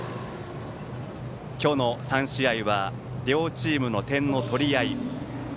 今日の３試合は両チームの点の取り合い。